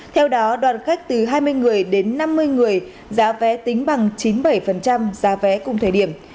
theo đó đoàn khách từ hai mươi người đến năm mươi người giá vé tính bằng chín mươi bảy giá vé cùng thời điểm